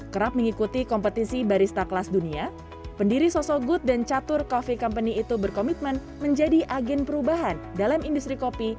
kerap mengikuti kompetisi barista kelas dunia pendiri sosok good dan catur coffee company itu berkomitmen menjadi agen perubahan dalam industri kopi